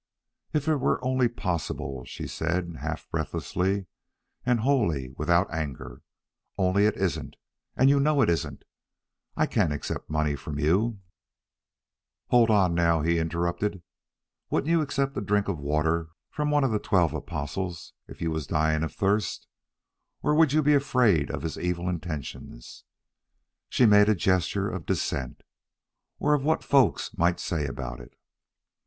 "If it were only possible" she said, half breathlessly, and wholly without anger. "Only it isn't, and you know it isn't. I can't accept money from you " "Hold on, now," he interrupted. "Wouldn't you accept a drink of water from one of the Twelve Apostles if you was dying of thirst? Or would you be afraid of his evil intentions" she made a gesture of dissent " or of what folks might say about it?"